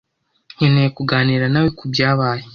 Nkeneye kuganira nawe kubyabaye.